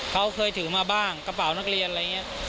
เขาเคยถือมาบ้างกระเป๋านักเรียนอะไรอย่างนี้